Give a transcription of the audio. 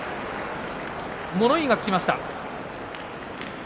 物言いがつきました。